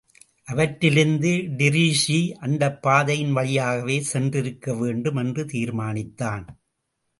அவற்றிலிருந்து டிரீஸி அந்தப் பாதையின் வழியாகவே சென்றிருக்கவேண்டும் என்று தீர்மானித்தான்.